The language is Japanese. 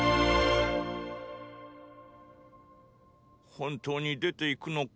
本当に出て行くのか？